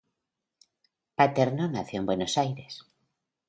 Paterno nació en Buenos Aires.